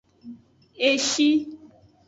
Eshi.